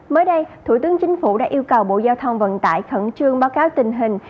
mới đây thủ tướng chính phủ đã yêu cầu bộ giao thông vận tải khẩn trương báo cáo tình hình